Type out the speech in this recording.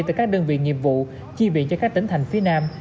từ các đơn vị nghiệp vụ chi viện cho các tỉnh thành phía nam